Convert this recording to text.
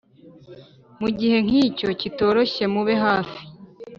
mu gihe nkicyo cyitoroshye mube hafi